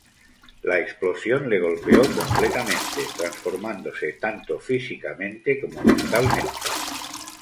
La explosión le golpeo completamente, transformándose tanto físicamente como mentalmente.